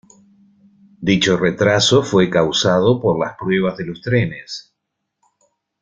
Dicho retraso fue causado por las pruebas de los trenes.